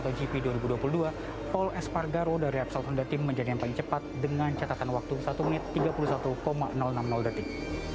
motogp dua ribu dua puluh dua paul espargaro dari apsol honda team menjadi yang paling cepat dengan catatan waktu satu menit tiga puluh satu enam puluh detik